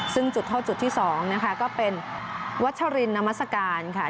ซึ่งจุดเท่าจุดที่๒นะคะก็เป็นวัชรินนามัศกาลค่ะ